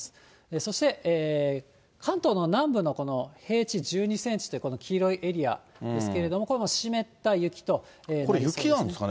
そして関東の南部のこの平地１２センチという黄色いエリアですけれども、これも湿った雪となりそうですね。